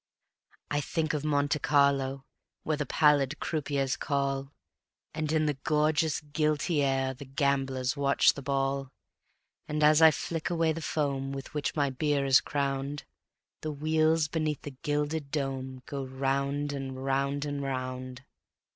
I think of Monte Carlo, where The pallid croupiers call, And in the gorgeous, guilty air The gamblers watch the ball; And as I flick away the foam With which my beer is crowned, The wheels beneath the gilded dome Go round and round and round.